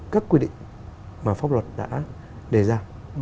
các quy định mà pháp luật đã đề ra